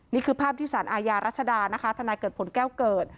นี่คือภาพที่สารอาญารัชดานะคะทนายเกิดผลแก้วเกิด